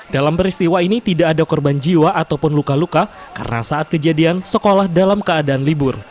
dalam peristiwa ini tidak ada korban jiwa ataupun luka luka karena saat kejadian sekolah dalam keadaan libur